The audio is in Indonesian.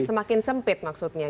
semakin sempit maksudnya